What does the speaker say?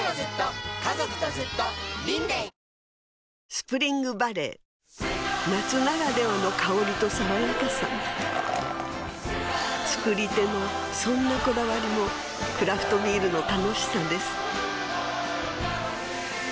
スプリングバレー夏ならではの香りと爽やかさ造り手のそんなこだわりもクラフトビールの楽しさです